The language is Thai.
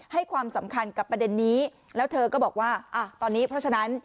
ให้ความสำคัญกับประเด็นนี้แล้วเธอก็บอกว่าอ่ะตอนนี้เพราะฉะนั้น